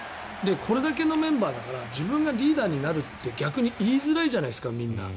これだけのメンバーだから自分がリーダーになるって逆に言いづらいじゃないですかみんな。